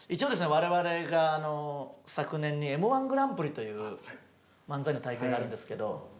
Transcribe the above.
我々があの昨年にＭ−１グランプリという漫才の大会があるんですけど。